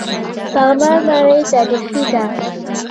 پغمان ماڼۍ تاریخي ده؟